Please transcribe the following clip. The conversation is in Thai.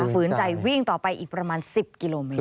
ฝืนใจวิ่งต่อไปอีกประมาณ๑๐กิโลเมตร